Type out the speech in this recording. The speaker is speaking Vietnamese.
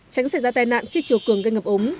tránh xảy ra tai nạn khi chiều cường gây ngập ống